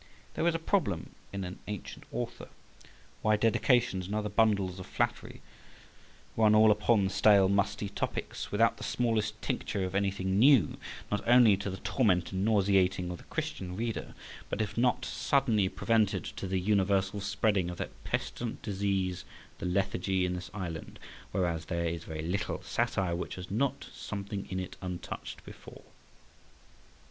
There is a problem in an ancient author why dedications and other bundles of flattery run all upon stale musty topics, without the smallest tincture of anything new, not only to the torment and nauseating of the Christian reader, but, if not suddenly prevented, to the universal spreading of that pestilent disease the lethargy in this island, whereas there is very little satire which has not something in it untouched before.